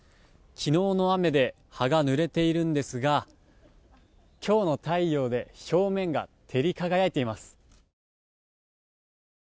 昨日の雨で葉がぬれているんですが今日の太陽で表面が照り輝いています。